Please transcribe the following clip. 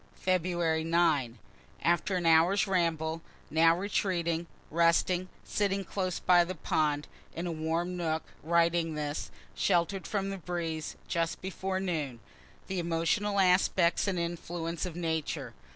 Feb. 9. After an hour's ramble, now retreating, resting, sitting close by the pond, in a warm nook, writing this, shelter'd from the breeze, just before noon. The emotional aspects and influences of Nature!